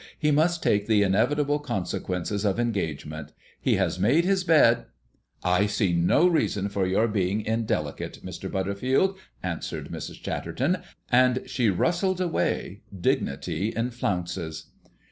He must take the inevitable consequences of engagement. He has made his bed " "I see no reason for your being indelicate, Mr. Butterfield," answered Mrs. Chatterton; and she rustled away, dignity in flounces.